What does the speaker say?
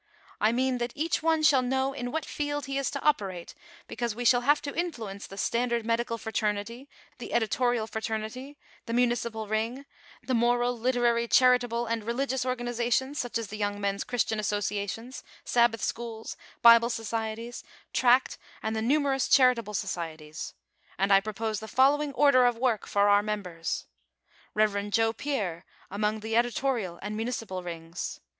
I mean, that each one shall know in what field he is to operate ; because we shall have to influence the Standard Medical Fraternity ; the Editorial Fraternity ; the Municipal Ring ; the moral, literary, charitable and religious organizations, such as the Young Men's Christian Associations, Sabbath schools, Bible societies, tract and the numerous charitable societies. And I propose the following order of work for our members : "Rev. Joe Pier, among the Editorial and Municipal Rings.